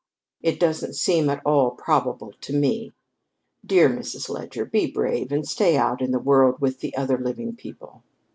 It doesn't seem at all probable to me. Dear Mrs. Leger, be brave and stay out in the world with the other living people."